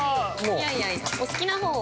いやいやいやお好きな方を。